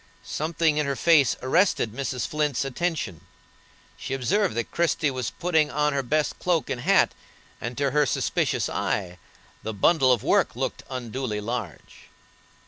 Something in her face arrested Mrs. Flint's attention; she observed that Christie was putting on her best cloak and hat, and to her suspicious eye the bundle of work looked unduly large.